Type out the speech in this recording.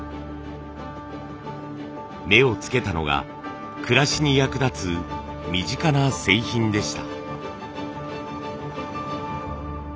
目をつけたのが暮らしに役立つ身近な製品でした。